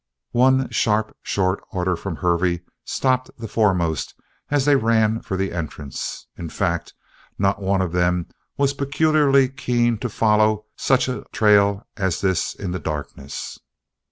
One sharp, short order from Hervey stopped the foremost as they ran for the entrance. In fact, not one of them was peculiarly keen to follow such a trail as this in the darkness.